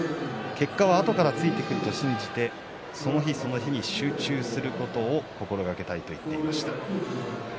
結果はあとからついてくると信じてその日その日に集中することを心がけたいと言っていました。